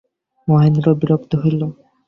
মহেন্দ্র বিরক্ত হইল।